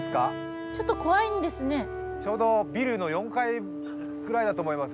ちょうどビルの４階ぐらいだと思います